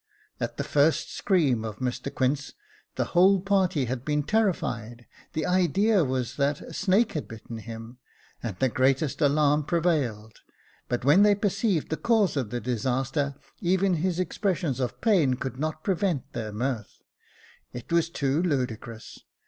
At the first scream of Mr Quince, the v.^hole party had Jacob Faithful 271 been terrified ; the idea was that a snake had bitten him, and the greatest alarm prevailed •, but when they per ceived the cause of the disaster, even his expressions of pain could not prevent their mirth. It was too ludicrous.